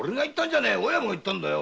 親分が言ったんだよ。